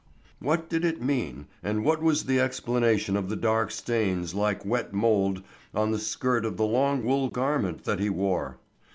What did it mean, and what was the explanation of the dark stains like wet mould on the skirt of the long wool garment that he wore?